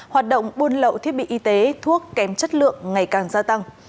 hoạt động buôn lậu thiết bị y tế thuốc kém chất lượng ngày càng gia tăng